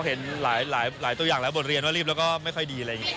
เห็นหลายตัวอย่างแล้วบทเรียนว่ารีบแล้วก็ไม่ค่อยดีอะไรอย่างนี้